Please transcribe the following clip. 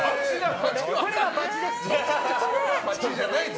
これはバチです。